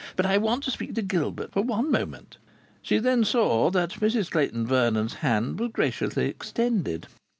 But I want to speak to Gilbert for one moment." She then saw that Mrs Clayton Vernon's hand was graciously extended.